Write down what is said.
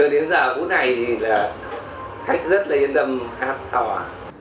từ đến giờ cuối này thì khách rất là yên tâm hát thỏa